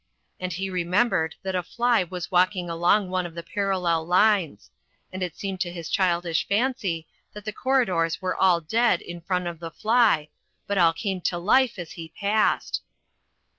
And he remembered that a fly was walking along one of the parallel lines; and it seemed to his childish fancy that the corridors were all dead in front of the fly, but all came to life as he passed.